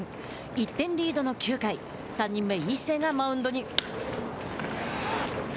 １点リードの９回３人目、伊勢がマウンドに。